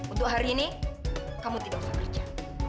untuk hari ini kamu tidak usah kerja